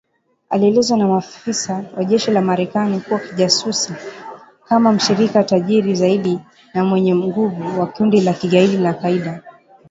alielezwa na maafisa wa jeshi la Marekani kuwa kijasusi kama mshirika tajiri zaidi na mwenye nguvu wa kundi la kigaidi la al-Kaida